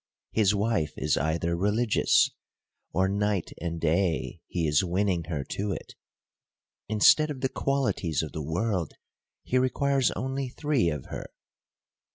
— His wife is either religious, or night and day he is winning her to it. Instead of the qualities of the world, he requires only three of her.